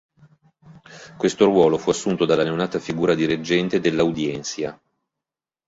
Questo ruolo fu assunto dalla neonata figura di reggente dell'audiencia.